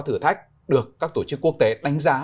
thử thách được các tổ chức quốc tế đánh giá